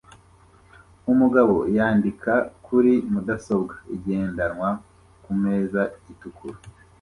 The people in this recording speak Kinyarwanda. Umugabo yandika kuri mudasobwa igendanwa kumeza itukura